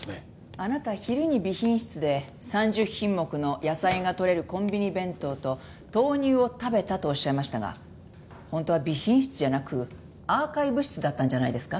あなた昼に備品室で３０品目の野菜がとれるコンビニ弁当と豆乳を食べたとおっしゃいましたが本当は備品室じゃなくアーカイブ室だったんじゃないですか？